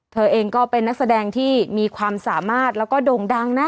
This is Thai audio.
เธอเองก็เป็นนักแสดงที่มีความสามารถแล้วก็โด่งดังนะ